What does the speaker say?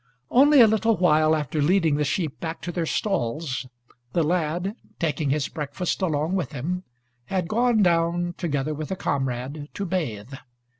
Only a little while after leading the sheep back to their stalls, the lad, taking his breakfast along with him, had gone down, together with a comrade, to bathe.